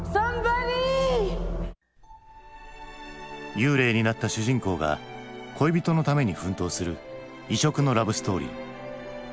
幽霊になった主人公が恋人のために奮闘する異色のラブストーリー。